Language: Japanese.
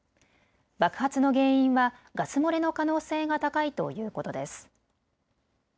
爆発の原因はガス漏れの可能性が高いということです。